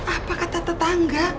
apa kata tetangga